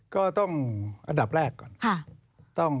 ก็ต้องอันดับแรกก่อน